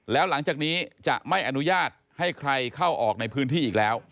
แล้วหลังจากนี้จะไม่อนุญาตให้ใครเข้าออกในพื้นที่อีกแล้ว